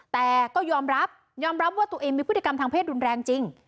แต่ก็ยอมรับยอมรับว่าตัวเองมีพฤติกรรมทางเพศรุนแรงจริง